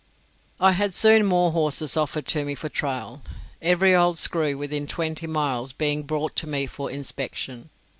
I had soon more horses offered to me for trial, every old screw within twenty miles being brought to me for inspection.